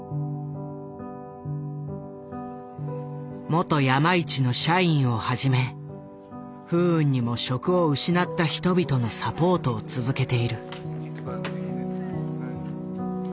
元山一の社員をはじめ不運にも職を失った人々のサポートを続けている。